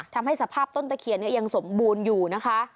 ทำให้สภาพต้นตะเคียนยังสมบูรณ์อยู่นะคะ